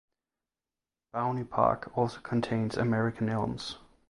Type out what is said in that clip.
Bowne Park also contains American elms.